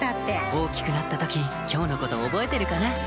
大きくなった時今日のこと覚えるかな？